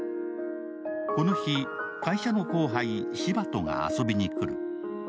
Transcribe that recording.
この日、会社の後輩・司馬戸が遊びに来る。